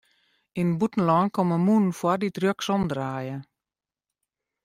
Yn it bûtenlân komme mûnen foar dy't rjochtsom draaie.